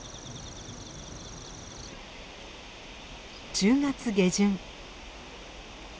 １０月下旬。